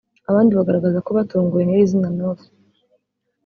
Abandi bagaragaza ko batunguwe n’iri zina North